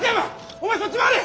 お前そっち回れ！